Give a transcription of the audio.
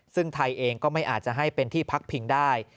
ซึ่งไทยเองก็ไม่อาจจะให้เป็นที่พักพิงได้